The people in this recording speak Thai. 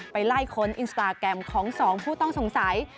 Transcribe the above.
ไปไล่ค้นอินสตาแกรมของ๒ผู้ต้องสงสัย